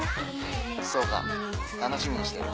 ・そうか楽しみにしてる。